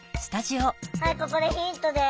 はいここでヒントです。